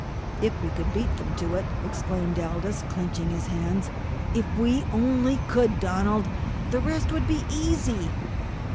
"If we could beat them to it!" exclaimed Aldous, clenching his hands. "If we only could, Donald the rest would be easy!"